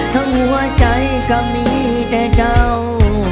หัวใจก็มีแต่เจ้า